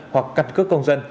hoặc cặt cước công dân